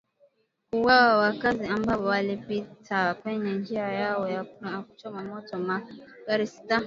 kuwaua wakaazi ambao walipita kwenye njia yao na kuchoma moto magari sita